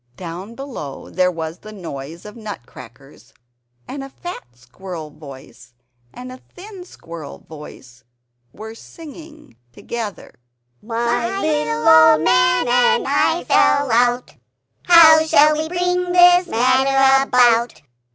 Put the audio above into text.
Down below there was a noise of nutcrackers, and a fat squirrel voice and a thin squirrel voice were singing together "My little old man and I fell out, How shall we bring this matter about?